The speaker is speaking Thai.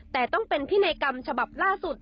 แต่ต้องเป็นพินัยกรรมฉบับล่าสุด